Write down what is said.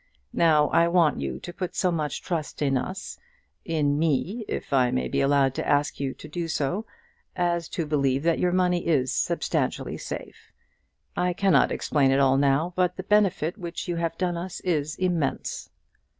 Now, I want you to put so much trust in us, in me, if I may be allowed to ask you to do so, as to believe that your money is substantially safe. I cannot explain it all now; but the benefit which you have done us is immense."